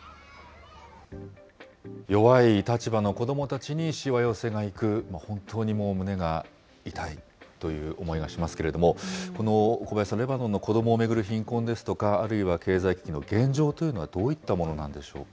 弱い立場の子どもたちにしわ寄せがいく、本当にもう胸が痛いという思いがしますけれども、小林さん、このレバノンの子どもたちを巡る貧困ですとか、あるいは経済危機の現状というのはどういったものなんでしょうか。